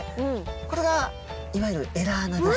これがいわゆるエラ穴です。